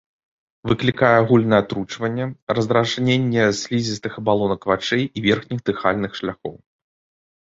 Выклікае агульнае атручванне, раздражненне слізістых абалонак вачэй і верхніх дыхальных шляхоў.